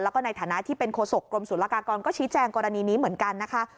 แล้วก็ในฐานะที่เป็นโฆษกรมศูนยากากรก็ชี้แจงกรณีนี้เหมือนกันนะคะ